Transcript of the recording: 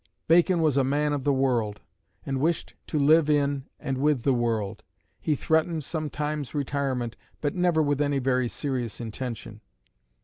Bacon was a man of the world, and wished to live in and with the world. He threatened sometimes retirement, but never with any very serious intention.